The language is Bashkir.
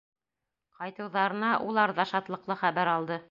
Ҡайтыуҙарына улар ҙа шатлыҡлы хәбәр алды.